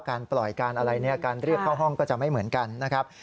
การปล่อยการอะไรเนี่ยการเรียกเข้าห้องก็จะไม่เหมือนกันนะครับ